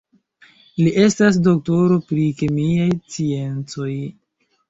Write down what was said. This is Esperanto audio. Li estas doktoro pri kemiaj sciencoj.